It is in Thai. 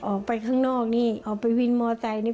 ออกไปข้างนอกนี่ออกไปวินมอไซค์นี่